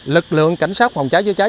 lực lượng cảnh sát phòng cháy chữa cháy